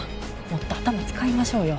もっと頭使いましょうよ。